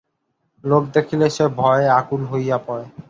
লোক দেখিলে সে ভয়ে আকুল হইয়া পড়ে।